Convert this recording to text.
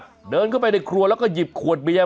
เดินเข้าไปในครัวแล้วก็หยิบขวดเบียร์